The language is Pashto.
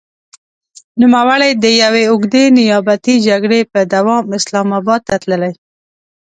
نوموړی د يوې اوږدې نيابتي جګړې په دوام اسلام اباد ته تللی.